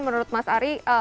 menurut mas ari